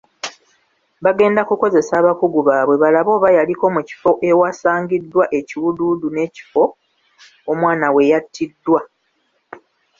Bagenda kukozesa abakugu baabwe balabe oba yaliko mu kifo ewasangiddwa ekiwuduwudu n'ekifo omwana we yattiddwa.